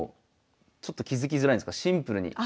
ちょっと気付きづらいんですがシンプルに。